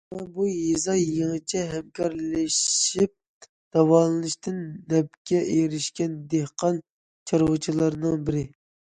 مانا بۇ- يېزا يېڭىچە ھەمكارلىشىپ داۋالىنىشتىن نەپكە ئېرىشكەن دېھقان- چارۋىچىلارنىڭ بىرى.